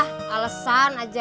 ah alesan aja